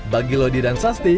bagi lodi dan sasti